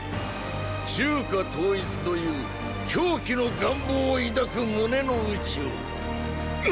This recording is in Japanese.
中華統一という狂気の願望を抱く胸の内を。